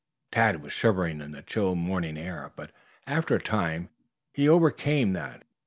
Tad was shivering in the chill morning air, but after a time he overcame that.